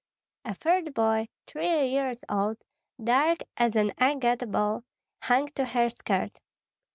A third boy, three years old, dark as an agate ball, hung to her skirt.